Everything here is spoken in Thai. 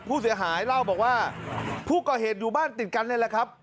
ผู้เสียหายเล่าบอกว่าผู้ก่อเหตุอยู่บ้านติดกันเลยแหละครับ